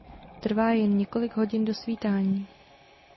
Trvá jen několik hodin do svítání.